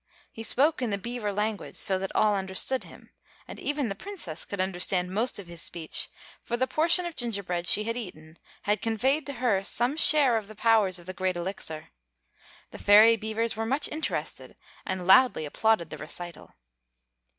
He spoke in the beaver language, so that all understood him; and even the Princess could understand most of his speech, for the portion of gingerbread she had eaten had conveyed to her some share of the powers of the Great Elixir. The Fairy Beavers were much interested, and loudly applauded the recital.